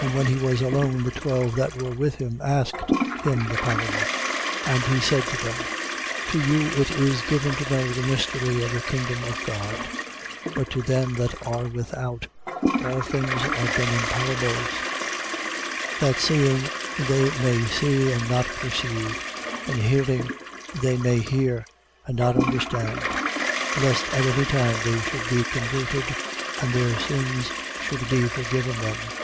4:10. And when he was alone, the twelve that were with him asked him the parable. 4:11. And he said to them: To you it is given to know the mystery of the kingdom of God: but to them that are without, all things are done in parables: 4:12. That seeing they may see, and not perceive; and hearing they may hear, and not understand; lest at any time they should be converted, and their sins should be forgiven them.